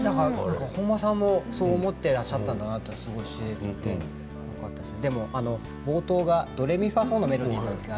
本間さんもそう思っていらっしゃったんだなと思いましたね。。